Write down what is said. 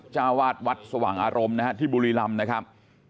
เจ้าวาดวัดสว่างอารมณ์นะฮะที่บุรีรำนะครับ